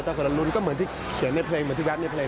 ถ้าคนละลุ้นก็เหมือนที่เขียนในเพลงเหมือนที่แป๊บในเพลง